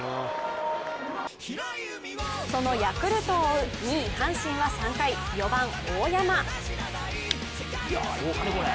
そのヤクルトを追う、２位阪神は３回、４番・大山。